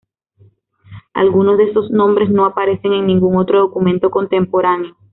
Algunos de esos nombres no aparecen en ningún otro documento contemporáneo.